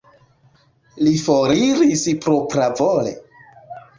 Li foriris propravole?